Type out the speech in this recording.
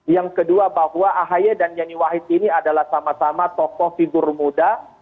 yang kedua bahwa ahy dan yeni wahid ini adalah sama sama tokoh figur muda